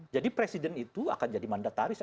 jadi presiden itu akan jadi mandataris